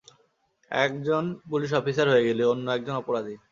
এক জন police officer হয়ে গেলি, অন্য একজন অপরাধী।